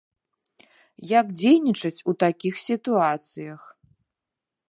Як дзейнічаць у такіх сітуацыях?